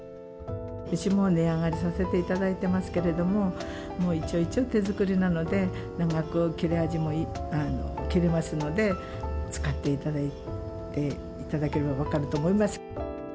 うちも値上がりさせていただいてますけれども、もう一丁一丁手作りなので、長く切れ味もいい、切れますので、使っていただければ分かると思います。